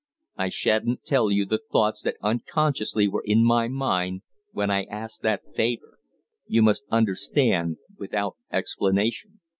I sha'n't tell you the thoughts that unconsciously were in my mind when I asked that favor. You must understand without explanation.